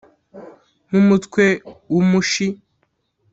Nkumutwe w,umushi